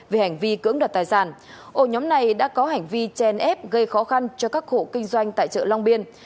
vì hành vi cưỡng đặt tài sản ôi nhóm này đã có hành vi chen ép gây khó khăn cho các hộ kinh doanh tại chợ long biên